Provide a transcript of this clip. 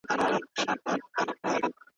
که پانګه زياته سي اقتصادي پرمختيا به چټکه سي.